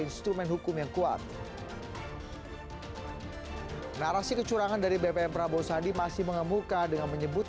instrumen hukum yang kuat narasi kecurangan dari bpm prabowo sandi masih mengemuka dengan menyebut